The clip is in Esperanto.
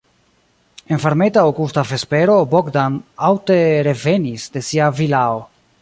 En varmeta aŭgusta vespero Bogdan aŭte revenis de sia vilao.